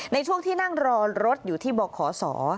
ในช่วงที่นั่งรอรถอยู่ที่บขศ